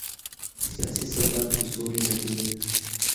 سیاسي ثبات د سولې نتیجه ده